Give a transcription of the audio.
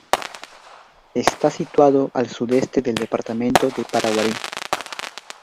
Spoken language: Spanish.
Está situado al sudeste del Departamento de Paraguarí.